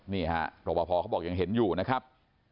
นี่ฮะรบพอเขาบอกยังเห็นอยู่นะครับ